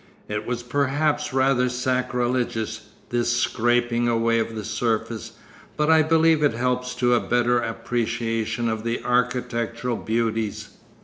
It was perhaps rather sacrilegious, this scraping away of the surface, but I believe it helps to a better appreciation of the architectural beauties.